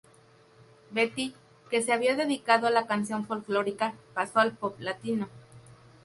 Betty, que se había dedicado a la canción folklórica, pasó al pop latino.